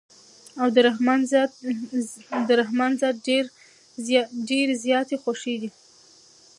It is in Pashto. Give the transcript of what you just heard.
او د رحمن ذات ډېرې زياتي خوښې دي